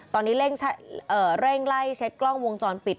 ตอนนี้เร่งไล่เช็คกล้องวงจรปิด